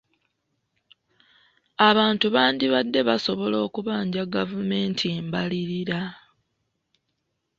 Abantu bandibadde basobola okubanja gavumenti embalirira.